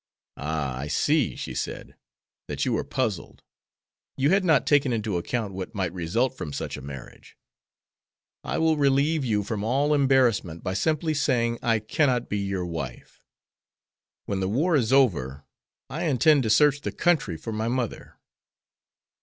"Ah, I see," she said, "that you are puzzled. You had not taken into account what might result from such a marriage. I will relieve you from all embarrassment by simply saying I cannot be your wife. When the war is over I intend to search the country for my mother.